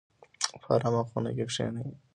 په ارامه خونه کې کښینئ.